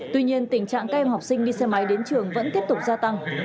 tuy nhiên tình trạng các em học sinh đi xe máy đến trường vẫn tiếp tục gia tăng